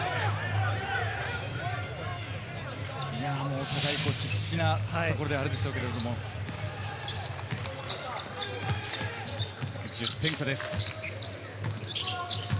お互い必死なところであれでしょうけれども、１０点差です。